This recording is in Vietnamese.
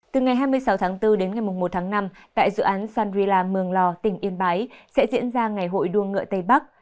từ ngày hai mươi sáu tháng bốn đến ngày một tháng năm tại dự án sandri la mường lò tỉnh yên bái sẽ diễn ra ngày hội đua ngựa tây bắc